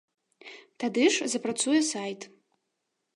Тады ж запрацуе сайт.